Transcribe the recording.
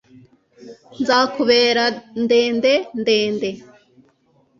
nzakubera ndende, ndende